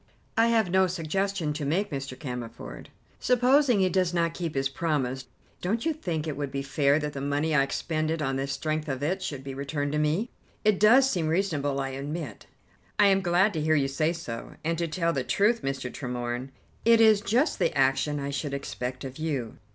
"I have no suggestion to make, Mr. Cammerford." "Supposing he does not keep his promise, don't you think it would be fair that the money I expended on the strength of it should be returned to me?" "It does seem reasonable, I admit." "I am glad to hear you say so, and to tell the truth, Mr. Tremorne, it is just the action I should expect of you."